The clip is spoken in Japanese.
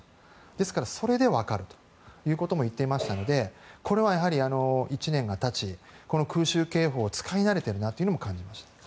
ですから、それで分かるということも言ってましたのでこれは１年が経ち、空襲警報を使い慣れているなと感じました。